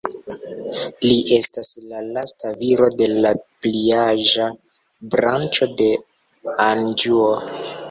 Li estas la lasta viro de la pliaĝa branĉo de Anĵuo.